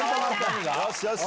よし、よし。